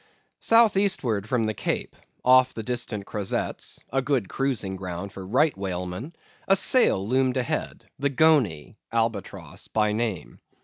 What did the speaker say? South eastward from the Cape, off the distant Crozetts, a good cruising ground for Right Whalemen, a sail loomed ahead, the Goney (Albatross) by name.